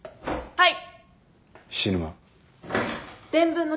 はい。